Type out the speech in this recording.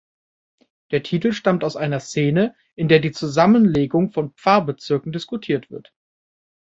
Der Titel stammt aus einer Szene, in der die Zusammenlegung von Pfarrbezirken diskutiert wird.